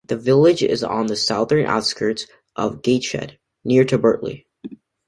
The village is on the southern outskirts of Gateshead, near to Birtley.